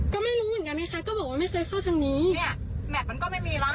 เนี่ยแม็กมันก็ไม่มีแล้วแหกตาดูด้วย